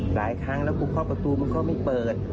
หลายครั้งแล้วกูเคาะประตูมึงก็ไม่เปิด